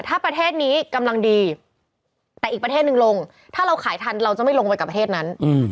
ถ้าประเทศนี้กำลังดีแต่อีกประเทศหนึ่งลงถ้าเราขายทันเราจะไม่ลงไปกับประเทศนั้น